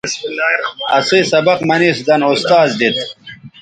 اسئ سبق منے سو دَن اُستاذ دیت